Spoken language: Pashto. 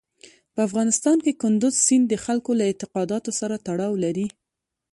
په افغانستان کې کندز سیند د خلکو له اعتقاداتو سره تړاو لري.